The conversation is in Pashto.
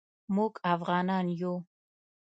موږ افعانان یو